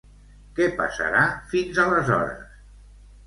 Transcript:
Què passarà fins aleshores?